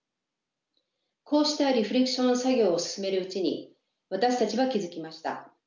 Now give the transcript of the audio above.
こうしたリフレクション作業を進めるうちに私たちは気付きました。